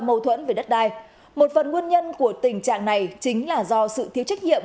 mâu thuẫn về đất đai một phần nguyên nhân của tình trạng này chính là do sự thiếu trách nhiệm